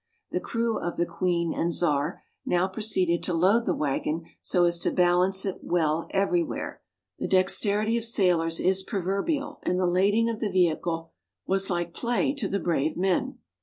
The crew of the " Queen and Czar " now proceeded to load the waggon so as to balance it well every where. The dexterity of sailors is proverbial, and the lading of the vehicle was like play to the brave men.